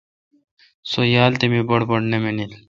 سو یال تھ می بڑ بڑ نہ مانیل۔